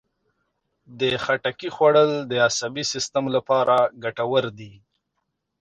د خټکي خوړل د عصبي سیستم لپاره ګټور دي.